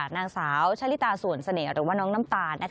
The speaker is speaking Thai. นางสาวชะลิตาส่วนเสน่ห์หรือว่าน้องน้ำตาล